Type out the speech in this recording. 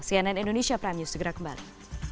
cnn indonesia prime news segera kembali